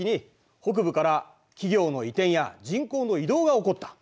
北部から企業の移転や人口の移動が起こった。